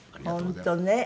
本当ね。